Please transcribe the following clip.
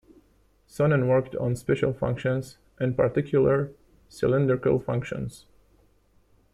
Sonin worked on special functions, in particular cylindrical functions.